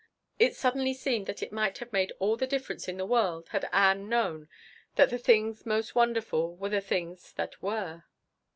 It suddenly seemed that it might have made all the difference in the world had Ann known that the things most wonderful were the things that were.